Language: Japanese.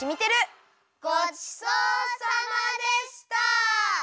ごちそうさまでした！